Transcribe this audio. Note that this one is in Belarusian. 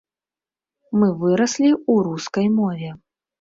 Мы выраслі ў рускай мове.